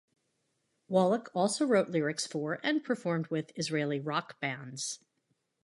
Wallach also wrote lyrics for, and performed with, Israeli rock bands.